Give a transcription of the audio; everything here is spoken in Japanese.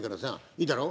いいだろう？」。